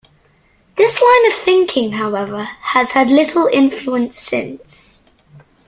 This line of thinking, however, has had little influence since.